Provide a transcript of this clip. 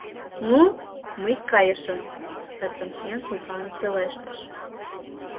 — Ну, мый кайышым, — пальтом чиен шогалын пелештыш.